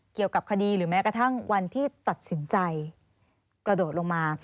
เกี่ยวกับคดีหรือแม้กระทั่งวันที่ตัดสินใจกระโดดลงมา